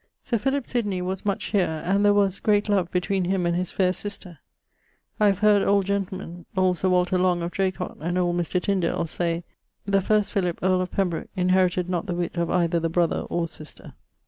Sir Philip Sydney was much here, and there was ... great love between him and his faire sister ... I have heard old gentlemen (old Sir Walter Long of Dracot and old Mr. Tyndale) say ... The first Philip, earle of Pembroke, ... inherited not the witt of either the brother or sister.